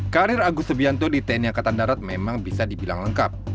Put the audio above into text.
karir agus subianto di tni angkatan darat memang bisa dibilang lengkap